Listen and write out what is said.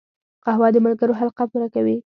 قهوه د ملګرو حلقه پوره کوي